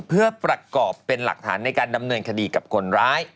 เพื่อประกอบเป็นหลักฐานในการดำเนินคดีกับคนร้าย